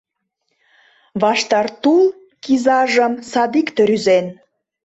Ваштар тул кизажым садикте рӱзен.